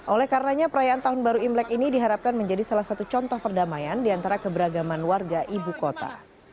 oleh karenanya perayaan tahun baru imlek ini diharapkan menjadi salah satu contoh perdamaian di antara keberagaman warga ibu kota